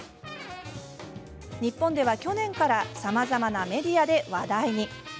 日本では、去年からさまざまなメディアで話題に。